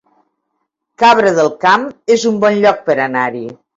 Cabra del Camp es un bon lloc per anar-hi